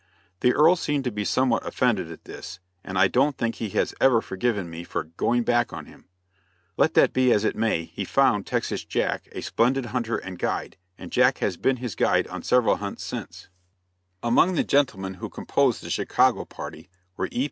The Earl seemed to be somewhat offended at this, and I don't think he has ever forgiven me for "going back on him." Let that be as it may, he found Texas Jack a splendid hunter and guide, and Jack has been his guide on several hunts since. [Illustration: TEXAS JACK] Among the gentlemen who composed the Chicago party were E.